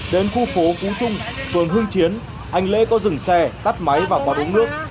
đến khu phố cú trung phường hưng chiến anh lễ có dừng xe tắt máy và bọt uống nước